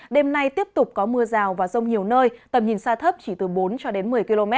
đêm nay tiếp tục có mưa rào và rông nhiều nơi tầm nhìn xa thấp chỉ từ bốn cho đến một mươi km